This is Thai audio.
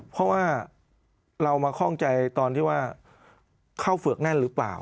เพราะว่าเรามาคล่องใจตอนที่ว่าเข้าเฝือกแน่นหรือเปล่า